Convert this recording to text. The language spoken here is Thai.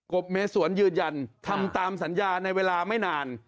บเมสวนยืนยันทำตามสัญญาในเวลาไม่นาน